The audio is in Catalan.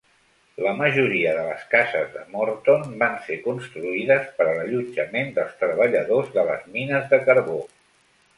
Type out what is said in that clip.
La majoria de les cases de Morton van ser construïdes per a l'allotjament dels treballadors de les mines de carbó.